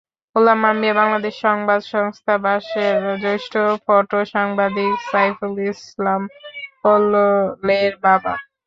গোলাম আম্বিয়া বাংলাদেশ সংবাদ সংস্থা বাসসের জ্যেষ্ঠ ফটোসাংবাদিক সাইফুল ইসলাম কল্লোলের বাবা।